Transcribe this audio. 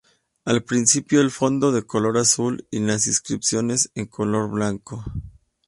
Al principio el fondo de color azul y las inscripciones en color blanco.